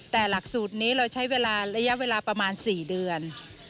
แต่หลักสูตรนี้เราใช้เวลาระยะเวลาประมาณ๔เดือน